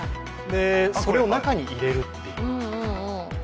それを中に入れるっていう。